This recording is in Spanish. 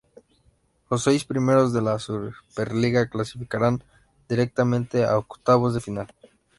Los seis primeros de la Superliga clasificarán directamente a octavos de final.